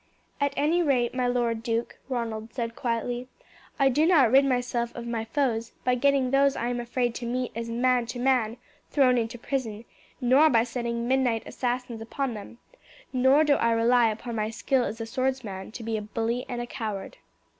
"At any rate, my lord duke," Ronald said quietly, "I do not rid myself of my foes by getting those I am afraid to meet as man to man thrown into prison, nor by setting midnight assassins upon them. Nor do I rely upon my skill as a swordsman to be a bully and a coward."